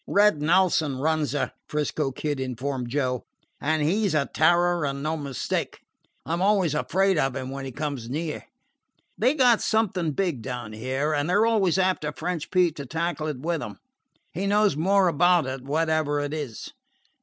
"Red Nelson runs her," 'Frisco Kid informed Joe. "And he 's a terror and no mistake. I 'm always afraid of him when he comes near. They 've got something big down here, and they 're always after French Pete to tackle it with them. He knows more about it, whatever it is."